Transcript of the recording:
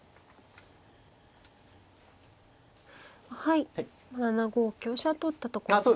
はい７五香車と打ったところですね。